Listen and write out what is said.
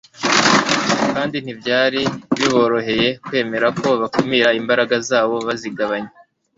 kandi ntibyari biborohcye kwemera ko bakumira imbaraga zabo bazigabanya.